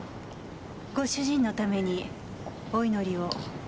ご主人のためにお祈りを？